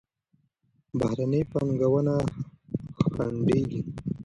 بهرني پانګونه خنډېږي.